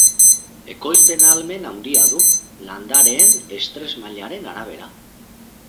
Ekoizpen ahalmen handia du, landareen estres mailaren arabera.